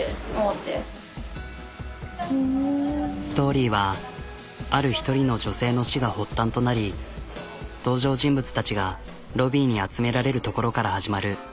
ストーリーはある１人の女性の死が発端となり登場人物たちがロビーに集められるところから始まる。